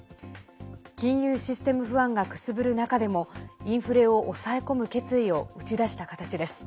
金融システム不安がくすぶる中でもインフレを抑え込む決意を打ち出した形です。